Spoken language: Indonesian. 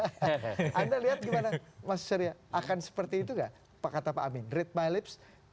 anda lihat gimana mas surya akan seperti itu nggak kata pak amin red my lips